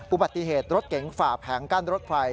อุบัติเหตุรถเก๋งฝ่าแผงกั้นรถไฟ